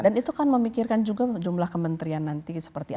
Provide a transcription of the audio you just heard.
dan itu kan memikirkan juga jumlah kementerian nanti seperti apa